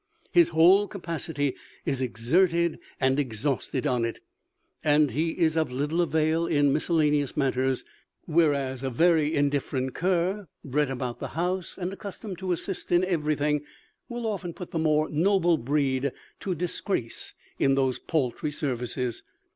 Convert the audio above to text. His whole capacity is exerted and exhausted on it, and he is of little avail in miscellaneous matters; whereas, a very indifferent cur, bred about the house, and accustomed to assist in every thing, will often put the more noble breed to disgrace in those paltry services.